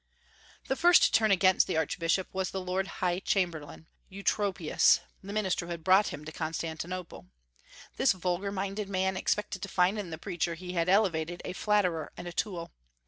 The first to turn against the archbishop was the Lord High Chamberlain, Eutropius, the minister who had brought him to Constantinople. This vulgar minded man expected to find in the preacher he had elevated a flatterer and a tool.